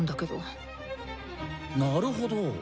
なるほど。